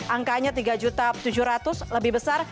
angkanya tiga tujuh ratus lebih besar